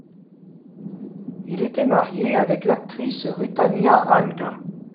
Il était marié avec l'actrice Rutanya Alda.